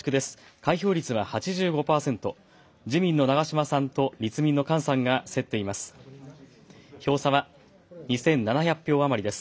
開票率は８５％、自民の長島さんと立民の菅さんが競っています。